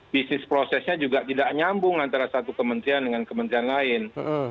bisnis prosesnya juga tidak nyambung antara satu kementerian dengan kementerian lain